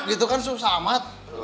itu kan susah amat